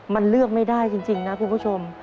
มันเลือกไม่ได้จริงนะคุณผู้ชม